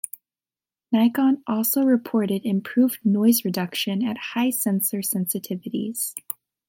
Nikon also reported improved noise reduction at high sensor sensitivities.